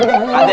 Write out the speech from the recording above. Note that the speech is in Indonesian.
udah kan udah